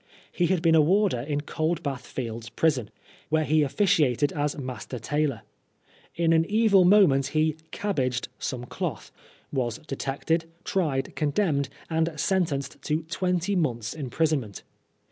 He had been a warder in Coldbath Fields Prison, where he officiated as master tailor. In an evil moment he '^ cabbaged '* some cloth, was detected, tried, condemned, and sentenced to twenty months' imprisonment.